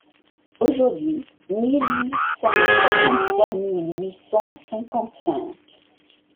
aujourd'hui mille huit cent quarante-trois–mille huit cent cinquante-cinq